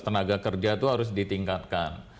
tenaga kerja itu harus ditingkatkan